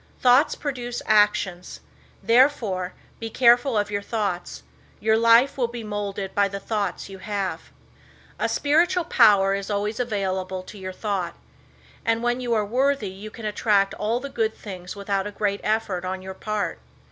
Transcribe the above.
Thoughts produce actions. Therefore be careful of your thoughts. Your life will be molded by the thoughts you have. A spiritual power is always available to your thought, and when you are worthy you can attract all the good things without a great effort on your part.